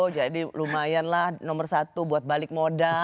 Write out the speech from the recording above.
jadi lumayan lah nomor satu buat balik modal